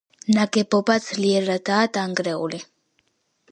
ნაგებობა ძლიერადაა დანგრეული.